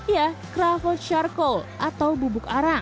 ya kroffle charcoal atau bubuk arang